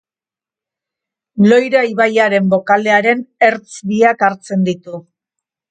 Loira ibaiaren bokalearen ertz biak hartzen ditu.